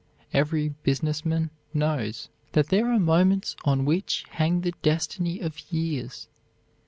Every business man knows that there are moments on which hang the destiny of years.